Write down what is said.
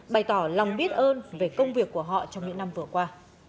bày tỏ lòng biết ơn về công việc của họ trong những năm vừa qua